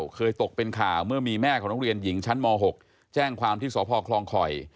เคยตกเป็นข่าวเมื่อมีแม่ของนักเรียนหญิงชั้นม๖แจ้งความที่สพคลองคอย